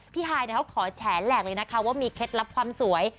ฮายเขาขอแฉแหลกเลยนะคะว่ามีเคล็ดลับความสวย